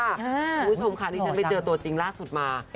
คุณผู้ชมค่ะนี่ฉันไปเจอตัวจริงล่าสุดมา